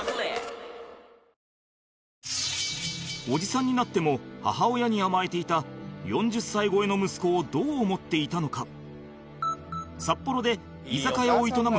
おじさんになっても母親に甘えていた４０歳超えの息子をどう思っていたのか？